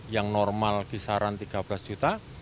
yang normal kisaran tiga belas juta